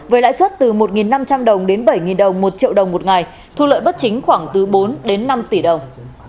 với lãi suất từ một năm trăm linh đồng đến bảy đồng một triệu đồng một ngày thu lợi bất chính khoảng từ bốn đến năm tỷ đồng